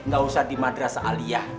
gak usah di madrasah aliyah